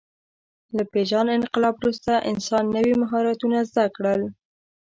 له پېژاند انقلاب وروسته انسان نوي مهارتونه زده کړل.